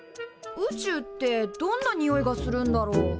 宇宙ってどんなにおいがするんだろう？